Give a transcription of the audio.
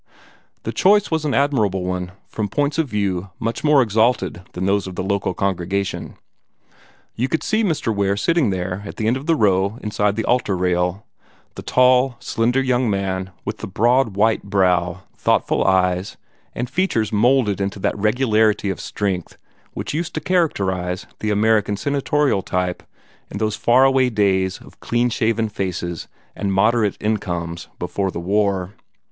The choice was an admirable one, from points of view much more exalted than those of the local congregation. You could see Mr. Ware sitting there at the end of the row inside the altar rail the tall, slender young man with the broad white brow, thoughtful eyes, and features moulded into that regularity of strength which used to characterize the American Senatorial type in those far away days of clean shaven faces and moderate incomes before the War.